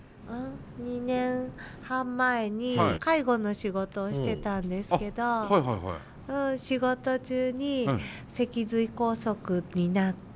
２年半前に介護の仕事をしてたんですけど仕事中に脊髄梗塞になって。